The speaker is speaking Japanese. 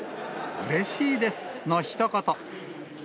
うれしいですのひと言。